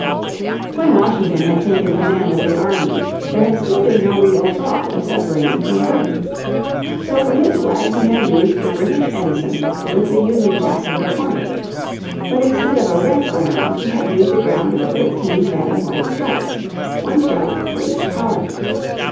When Washington had taken command of the army there had still been no real thought of separating from Britain. So for his flag he had used the British ensign with the Union Jack in the corner. But instead of a red ground he had used a ground of thirteen red and white stripes, on stripe for each colony.